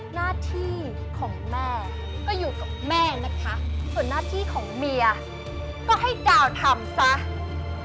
หน้าที่ของแม่ก็อยู่ของแม่นะคะส่วนหน้าที่ของเมียก็ให้ดาวทำสะเข้าใจไหมคะคี้แก